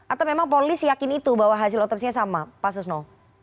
atau memang polis yakin itu bahwa hasil otopsinya sama pak susno